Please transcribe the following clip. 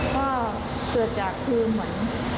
ก็เกิดจากคือเหมือน